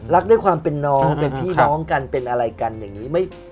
ด้วยความเป็นน้องเป็นพี่น้องกันเป็นอะไรกันอย่างนี้